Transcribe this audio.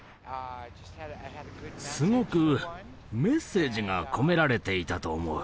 すごくメッセージが込められていたと思う。